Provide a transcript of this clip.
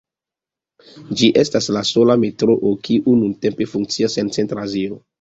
Ĝi estas la sola metroo kiu nuntempe funkcias en Centra Azio.